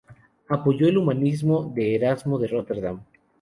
Apoyó el humanismo de Erasmo de Róterdam.